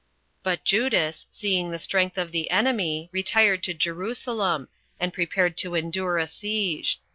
5. But Judas, seeing the strength of the enemy, retired to Jerusalem, and prepared to endure a siege.